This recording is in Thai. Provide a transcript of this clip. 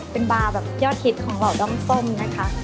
เป็นบาร์แบบยอดฮิตของเหล่าด้อมส้มนะคะ